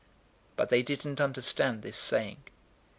009:045 But they didn't understand this saying.